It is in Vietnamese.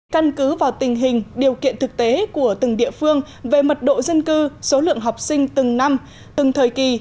căn cứ vào tình hình điều kiện thực tế của từng địa phương về mật độ dân cư số lượng học sinh từng năm từng thời kỳ